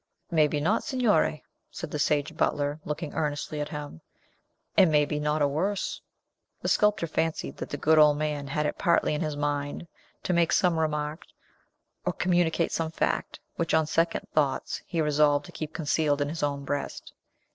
"Maybe not, Signore," said the sage butler, looking earnestly at him; "and, maybe, not a worse!" The sculptor fancied that the good old man had it partly in his mind to make some remark, or communicate some fact, which, on second thoughts, he resolved to keep concealed in his own breast.